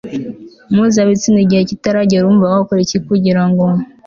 mpuzabitsina igihe kitaragera Urumva wakora iki kugira ngo